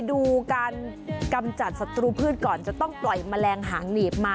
โดยการติดต่อไปก็จะเกิดขึ้นการติดต่อไป